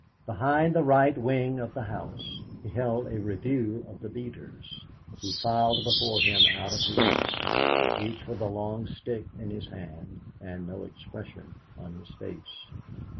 Behind the right wing of the house he held a review of the beaters, who filed before him out of the yard, each with a long stick in his hand, and no expression on his face.